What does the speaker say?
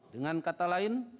dengan kata lain